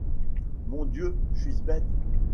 Mon Dieu, suis-je bête!